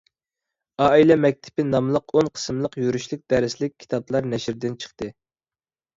«ئائىلە مەكتىپى» ناملىق ئون قىسىملىق يۈرۈشلۈك دەرسلىك كىتابلار نەشردىن چىقتى.